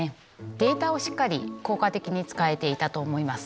データをしっかり効果的に使えていたと思います。